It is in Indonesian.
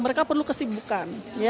mereka perlu kesibukan